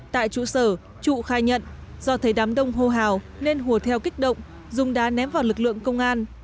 tại trụ sở trụ khai nhận do thấy đám đông hô hào nên hùa theo kích động dùng đá ném vào lực lượng công an